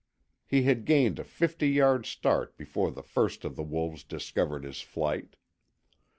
He had gained a fifty yard start before the first of the wolves discovered his flight.